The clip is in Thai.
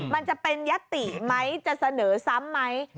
มันจะเป็นยติไหมจะเสนอซ้ำไหม